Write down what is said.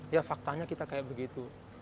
ya faktanya kita kayak begitu